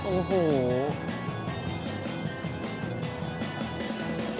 โอ้โห